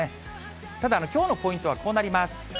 ただ、きょうのポイントはこうなります。